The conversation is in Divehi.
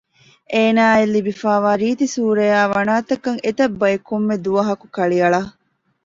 އޭނާއަށް ލިބިފައިވާ ރީތި ސޫރައާއި ވަނާތަކަށް އެތަށް ބައެއް ކޮންމެ ދުވަހަކު ކަޅިއަޅަ